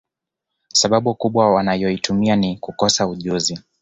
Sababu kubwa wanayoitumia ni kukosa ujuzi